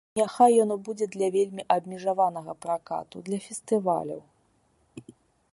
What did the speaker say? Няхай яно будзе для вельмі абмежаванага пракату, для фестываляў.